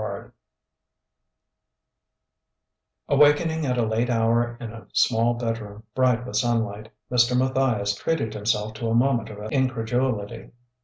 V Awakening at a late hour in a small bedroom bright with sunlight, Mr. Matthias treated himself to a moment of incredulity.